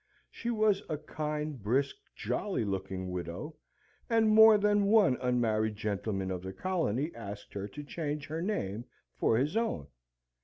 She was a kind, brisk, jolly looking widow, and more than one unmarried gentleman of the colony asked her to change her name for his own.